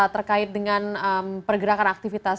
terkait dengan pergerakan aktivitas